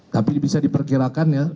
tapi bisa diperkirakan ya